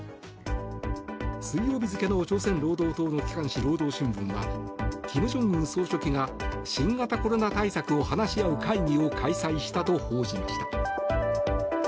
水曜日付の朝鮮労働党の機関紙労働新聞は金正恩総書記が新型コロナ対策を話し合う会議を開催したと報じました。